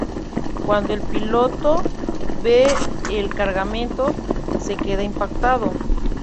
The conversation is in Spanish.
Cuando el piloto ve el cargamento, se queda impactado.